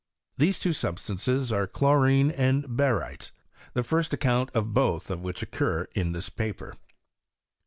These two substances are chlorine and harytes, the first account of both of which occur in this paper.